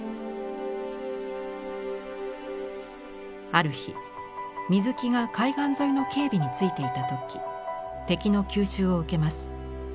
ある日水木が海岸沿いの警備についていた時敵の急襲を受けます。